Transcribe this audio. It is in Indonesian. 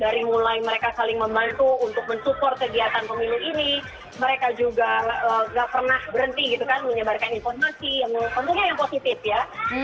dari mulai mereka saling membantu untuk mensupport kegiatan pemilu ini mereka juga nggak pernah berhenti gitu kan menyebarkan informasi yang tentunya yang positif ya